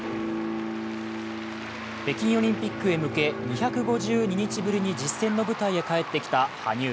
北京オリンピックへ向け、２５２日ぶりに実戦の舞台へ帰ってきた羽生。